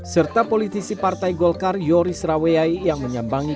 serta politisi partai golkar yoris raweai yang menyambangi